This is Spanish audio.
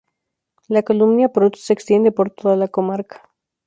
La calumnia pronto se extiende por toda la comarca.